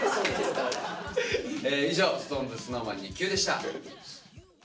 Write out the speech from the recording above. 以上「ＳｉｘＴＯＮＥＳＳｎｏｗＭａｎにＱ」でした。